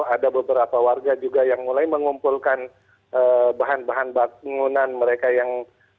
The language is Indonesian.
ada beberapa warga juga yang mulai mengumpulkan bahan bahan bangunan mereka yang